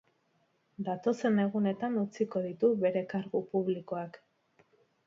Datozen egunetan utziko ditu bere kargu publikoak.